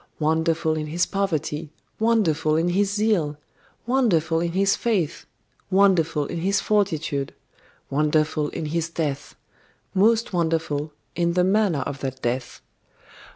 Wonderful in his poverty, wonderful in his zeal, wonderful in his faith, wonderful in his fortitude, wonderful in his death, most wonderful in the manner of that death.